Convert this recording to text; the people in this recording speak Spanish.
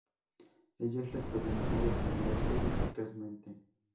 Ello les permitió defenderse eficazmente.